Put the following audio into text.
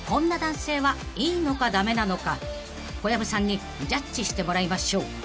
［小籔さんにジャッジしてもらいましょう］